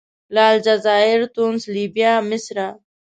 له الجزایر، تونس، لیبیا، مصره.